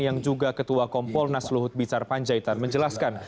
yang juga ketua kompol nas luhut bicar panjaitan menjelaskan